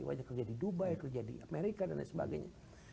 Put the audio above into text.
banyak kerja di dubai kerja di amerika dan lain sebagainya